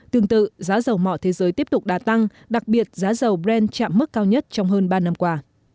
tương tự giá dầu mỏ thế giới tiếp tục đã tăng đặc biệt giá dầu brand chạm mức cao nhất trong hơn ba năm qua